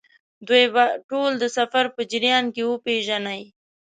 دوی به ټول د سفر په جریان کې وپېژنئ.